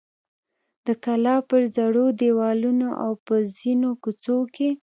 د کلا پر زړو دیوالونو او په ځینو کوڅو کې.